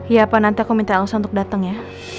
iya apa nanti aku minta elsa untuk dateng ya